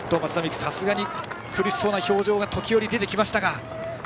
さすがに苦しそうな表情が時折出てきましたが。